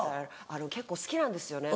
結構好きなんですよね。